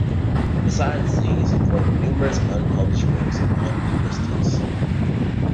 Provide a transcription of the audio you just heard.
Besides these he wrote numerous unpublished works on linguistics.